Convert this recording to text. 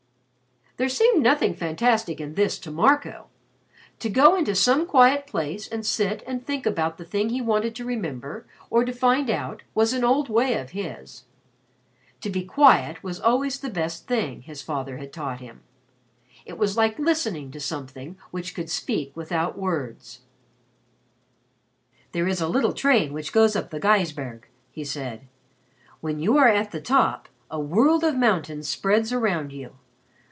There seemed nothing fantastic in this to Marco. To go into some quiet place and sit and think about the thing he wanted to remember or to find out was an old way of his. To be quiet was always the best thing, his father had taught him. It was like listening to something which could speak without words. "There is a little train which goes up the Gaisberg," he said. "When you are at the top, a world of mountains spreads around you.